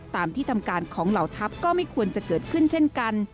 ตามที่ทำการของเหล่าทัพก็ไม่ควรจะเกิดขึ้นเช่นกัน